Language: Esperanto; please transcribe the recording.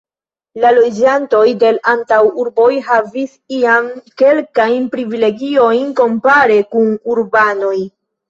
La loĝantoj de l' antaŭurboj havis iam kelkajn privilegiojn kompare kun urbanoj.